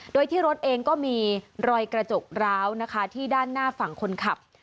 โดยที่รถเองก็มีรอยกระจกร้าวนะคะที่ด้านหน้าฝั่งคนขับ